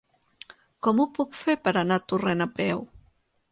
Com ho puc fer per anar a Torrent a peu?